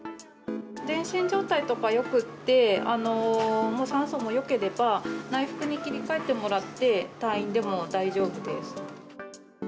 全身状態とかよくって、もう酸素もよければ、内服に切り替えてもらって、退院でも大丈夫です。